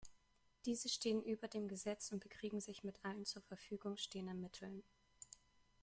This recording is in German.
Diese stehen über dem Gesetz und bekriegen sich mit allen zur Verfügung stehenden Mitteln.